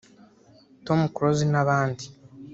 Tom Close n’abandi